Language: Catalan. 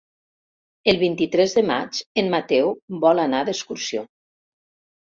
El vint-i-tres de maig en Mateu vol anar d'excursió.